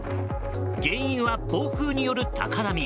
原因は暴風による高波。